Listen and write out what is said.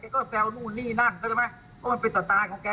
แกก็แซวนู่นนี่นั่งเพราะมันเป็นตาตาของแก